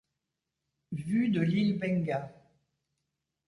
Vue de l’île Benga.